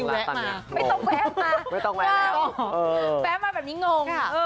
พี่ลิวแวะมาไม่ต้องแวะไม่ต้องแวะมาแบบนี้งง